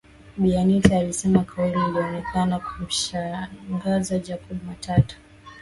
Bi Anita alisema kauli iliyoonekana kumshangaza Jacob Matata